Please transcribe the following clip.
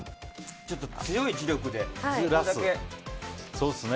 ちょっと強い磁力でずらす。